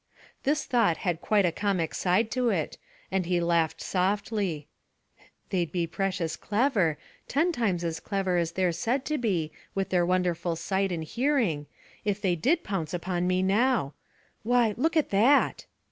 This thought had quite a comic side to it, and he laughed softly. "They'd be precious clever ten times as clever as they're said to be, with their wonderful sight and hearing if they did pounce upon me now. Why, look at that."